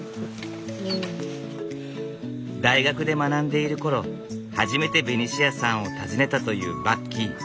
大学で学んでいる頃初めてベニシアさんを訪ねたというバッキー。